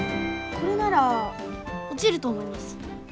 これなら落ちると思います！